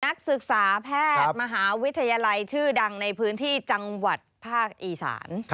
นักศึกษาแพทย์มหาวิทยาลัยชื่อดังในพื้นที่จังหวัดภาคอีสาน